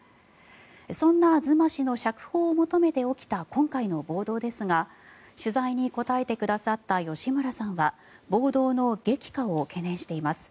そんなズマ氏の釈放を求めて起きた今回の暴動ですが取材に答えてくださった吉村さんは暴動の激化を懸念しています。